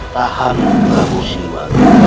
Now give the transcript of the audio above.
tahan mabu sima